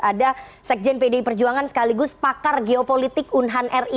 ada sekjen pdi perjuangan sekaligus pakar geopolitik unhan ri